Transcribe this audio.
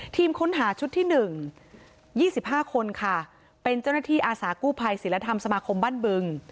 ทีมค้นหาชุดที่๑๒๕คนค่ะเป็นเจ้าหน้าที่อาสากู้ภัยศิลธรรมสมาคมบ้านบึง